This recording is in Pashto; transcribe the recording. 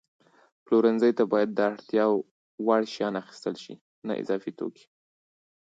پلورنځي ته باید د اړتیا وړ شیان اخیستل شي، نه اضافي توکي.